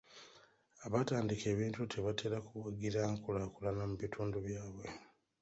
Abatandika ebintu tebatera kuwagira nkulaakulana mu bitundu byabwe.